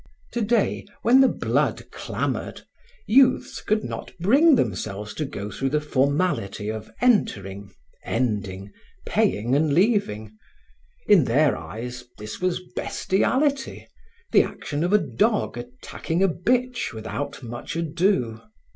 Today, when the blood clamored, youths could not bring themselves to go through the formality of entering, ending, paying and leaving; in their eyes, this was bestiality, the action of a dog attacking a bitch without much ado.